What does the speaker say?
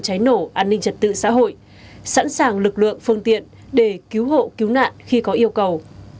cháy nổ an ninh trật tự xã hội sẵn sàng lực lượng phương tiện để cứu hộ cứu nạn khi có yêu cầu